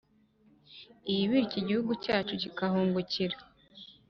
i bityo igihugu cyacu kikahungukira.